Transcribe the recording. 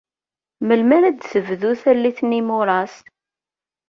Melmi ara d-tebdu tallit n yimuras?